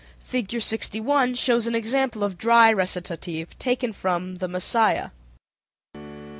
Fig. 61 shows an example of dry recitative, taken from "The Messiah."